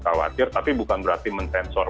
khawatir tapi bukan berarti mensensor